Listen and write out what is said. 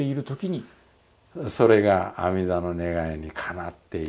それが阿弥陀の願いにかなっている。